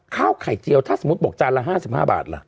ข้าวไข่เจียวถ้าสมมุติบอกจานละ๕๕บาทล่ะ